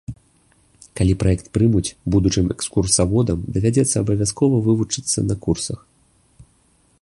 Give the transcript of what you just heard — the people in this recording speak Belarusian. Калі праект прымуць, будучым экскурсаводам давядзецца абавязкова вывучыцца на курсах.